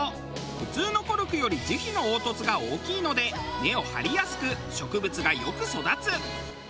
普通のコルクより樹皮の凹凸が大きいので根を張りやすく植物がよく育つ。